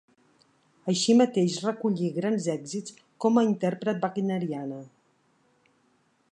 Així mateix recollí grans èxits com a intèrpret wagneriana.